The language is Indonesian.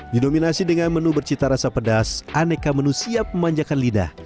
didominasi dengan menu bercita rasa pedas aneka menu siap memanjakan lidah